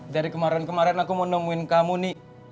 dari kemarin kemarin aku mau nemuin kamu nih